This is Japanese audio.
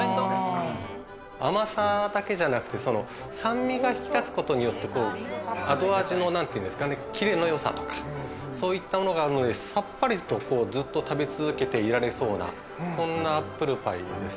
甘さだけではなくて酸味が引き立つことによって後味のキレのよさとか、そういったのがあるので、さっぱりとずっと食べ続けていられそうなアップルパイです。